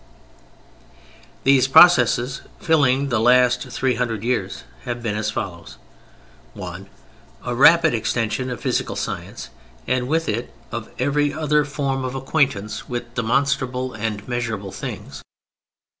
These processes filling the last three hundred years have been as follows: (1) A rapid extension of physical science and with it of every other form of acquaintance with demonstrable and measurable things.